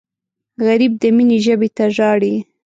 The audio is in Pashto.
غریب د مینې ژبې ته ژاړي